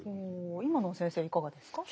おお今のは先生いかがですか？